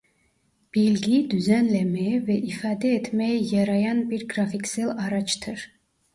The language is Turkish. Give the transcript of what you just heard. Bilgiyi düzenlemeye ve ifade etmeye yarayan bir grafiksel araçtır.